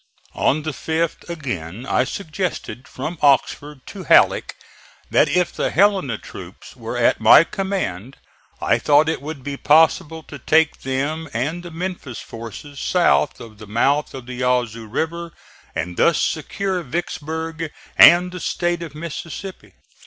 On the 5th again I suggested, from Oxford, to Halleck that if the Helena troops were at my command I though it would be possible to take them and the Memphis forces south of the mouth of the Yazoo River, and thus secure Vicksburg and the State of Mississippi.